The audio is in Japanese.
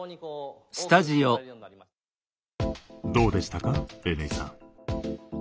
どうでしたかＮ井さん。